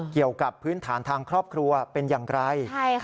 เกี่ยวกับพื้นฐานทางครอบครัวเป็นอย่างไร